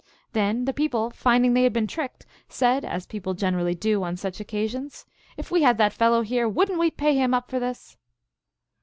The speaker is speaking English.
Then the people, finding they had been tricked, said, as people generally do on such occasions, " If we had that fellow here, would n t we pay him up for this